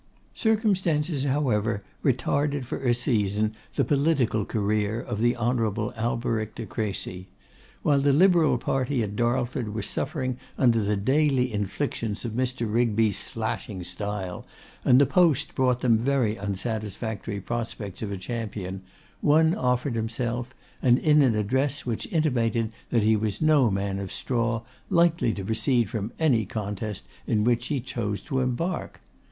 Circumstances, however, retarded for a season the political career of the Honourable Alberic de Crecy. While the Liberal party at Darlford were suffering under the daily inflictions of Mr. Rigby's slashing style, and the post brought them very unsatisfactory prospects of a champion, one offered himself, and in an address which intimated that he was no man of straw, likely to recede from any contest in which he chose to embark.